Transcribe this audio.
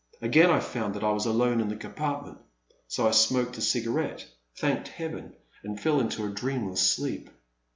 Again I found that I was alone in the compartment, so I smoked a cigarette, thanked Heaven, and fell into a dream less sleep.